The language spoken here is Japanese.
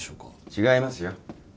違いますよ。